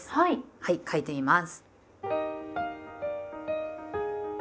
はい書いてみます。